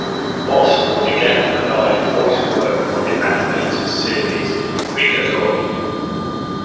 Moss would again provide voice work for the animated series Freakazoid!